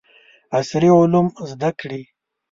عصري علوم زده کړي.